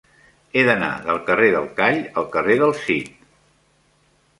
He d'anar del carrer del Call al carrer del Cid.